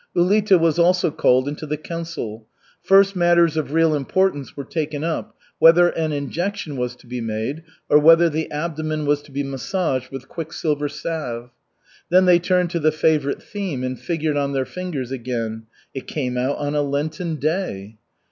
Ulita was also called into the council. First matters of real importance were taken up; whether an injection was to be made or whether the abdomen was to be massaged with quicksilver salve. Then they turned to the favorite theme and figured on their fingers again it came out on a Lenten day!